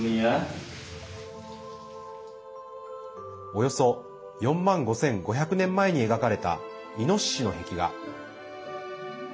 およそ４万５５００年前に描かれた、イノシシの壁画。